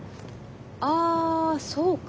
あぁそうか。